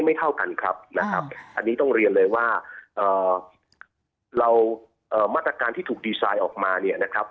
เท่ากันครับนะครับอันนี้ต้องเรียนเลยว่าเรามาตรการที่ถูกดีไซน์ออกมาเนี่ยนะครับ